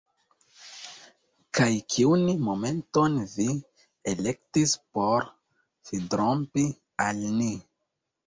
Kaj kiun momenton vi elektis por fidrompi al ni?